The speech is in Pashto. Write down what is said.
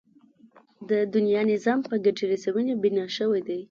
د دنيا نظام په ګټې رسونې بنا شوی دی.